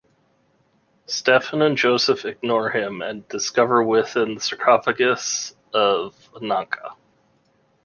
Stephen and Joseph ignore him, and discover within the sarcophagus of Ananka.